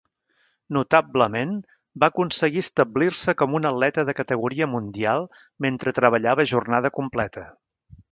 Notablement, va aconseguir establir-se com un atleta de categoria mundial mentre treballava a jornada completa.